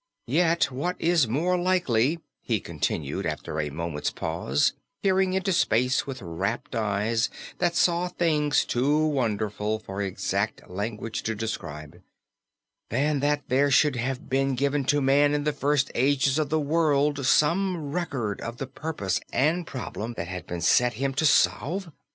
"Yet what is more likely," he continued after a moment's pause, peering into space with rapt eyes that saw things too wonderful for exact language to describe, "than that there should have been given to man in the first ages of the world some record of the purpose and problem that had been set him to solve?